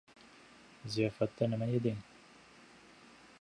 -Ziyofatda nima yeding?